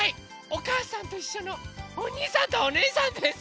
「おかあさんといっしょ」のおにいさんとおねえさんです。